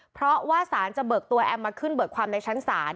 เพราะว่าสารจะเบิกตัวแอมมาขึ้นเบิกความในชั้นศาล